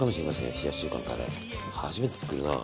冷やし中華のタレ初めて作るな。